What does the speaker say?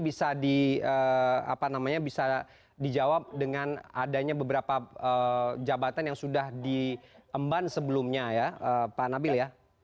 bisa dijawab dengan adanya beberapa jabatan yang sudah diemban sebelumnya ya pak nabil ya